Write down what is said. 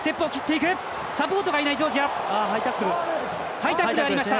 ハイタックルがありました。